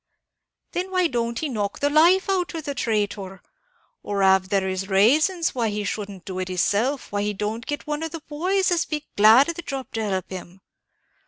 "Then why don't he knock the life out of the traitor? or av there is rasons why he shouldn't do it hisself, why don't he get one of the boys as'd be glad of the job to help him.